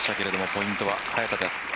ポイントは早田です。